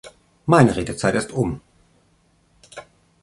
Meine Redezeit ist um.